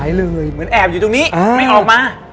เลยเหมือนแอบอยู่ตรงนี้ไม่ออกมา